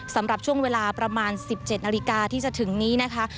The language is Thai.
สำหรับช่วงเวลาประมาณ๑๗นาฬิกาที่จะถึงนี้นะคะ